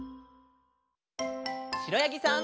しろやぎさん。